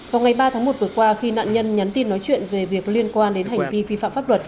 vào ngày ba tháng một vừa qua khi nạn nhân nhắn tin nói chuyện về việc liên quan đến hành vi vi phạm pháp luật